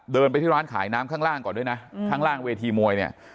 เดินไปที่ร้านขายน้ำข้างล่างก่อนด้วยนะข้างล่างเวทีมวยเนี่ย